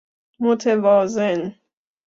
متوازن